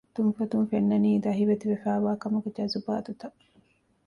ތުންފަތުން ފެންނަނީ ދަހިވެތި ވެފައިވާކަމުގެ ޖަޒުބާތުތައް